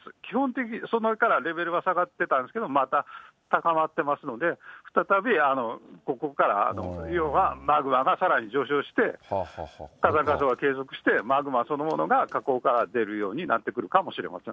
そこからレベルは下がってたんですけれども、また高まってますので、再びここから、要はマグマがさらに上昇して、火山活動が継続して、マグマそのものが火口から出るようになってくるかもしれません。